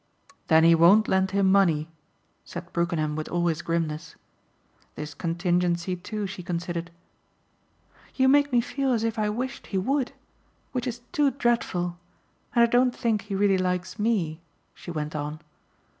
"Then he won't lend him money," said Brookenham with all his grimness. This contingency too she considered. "You make me feel as if I wished he would which is too dreadful. And I don't think he really likes ME!" she went on.